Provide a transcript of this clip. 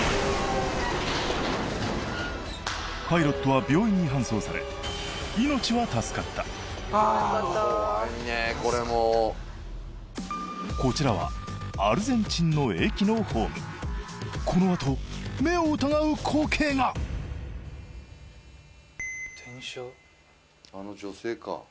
パイロットは病院に搬送されこちらはアルゼンチンの駅のホームこのあと目を疑う光景があの女性か？